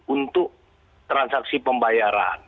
untuk transaksi pembayaran